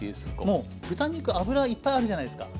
もう豚肉脂いっぱいあるじゃないですか。